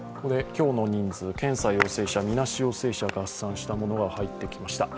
今日の人数、検査陽性者、みなし陽性者合算したものが入ってきました。